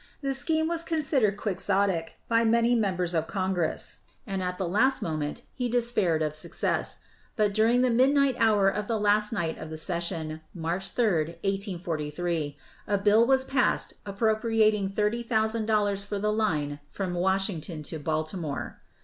The scheme was considered quixotic by many members of Congress, and at the last moment he despaired of success; but during the midnight hour of the last night of the session, March 3, 1843, a bill was passed appropriating thirty thousand dollars for the line from Washington to Baltimore.